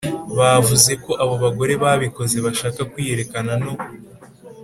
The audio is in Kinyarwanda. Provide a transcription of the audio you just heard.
bavuze ko abo bagore babikoze bashaka kwiyerekana no